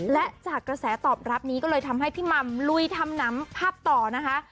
และจากกระแสตอบรับนี้ก็เลยทำให้พี่หม่ำลุยทำน้ำภาพต่อนะคะ